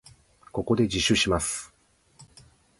ここで自首します。